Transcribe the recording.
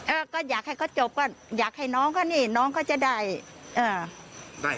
เออก็อยากให้เขาจบอ่ะอยากให้น้องก็นี่น้องก็จะได้อ่า